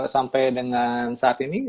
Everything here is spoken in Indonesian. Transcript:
sampai dengan saat ini